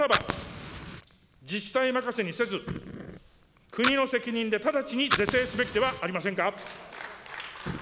ならば自治体任せにせず、国の責任で直ちに是正すべきではありませんか。